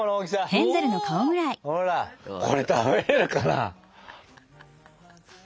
これ食べれるかな。